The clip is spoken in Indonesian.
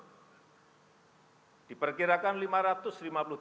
terdampak krisis dan sebagian di antaranya diperkirakan akan jatuh pangkrut